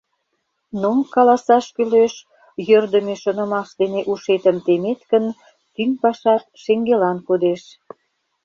Но, каласаш кӱлеш, йӧрдымӧ шонымаш дене ушетым темет гын, тӱҥ пашат шеҥгелан кодеш.